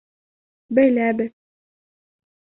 Беләбеҙ.